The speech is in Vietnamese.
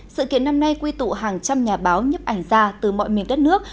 sự kiện năm nay quy tụ hàng trăm nhà báo nhấp ảnh ra từ mọi miền đất nước